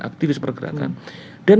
aktivis pergerakan dan